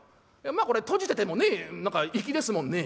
「まこれ閉じててもね何か粋ですもんね」。